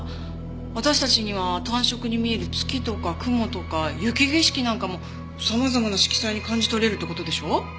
私たちには単色に見える月とか雲とか雪景色なんかも様々な色彩に感じ取れるって事でしょ？